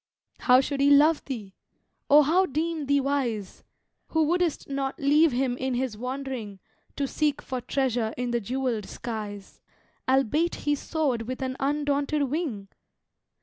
How should he love thee? or how deem thee wise, Who wouldst not leave him in his wandering To seek for treasure in the jewelled skies, Albeit he soared with an undaunted wing?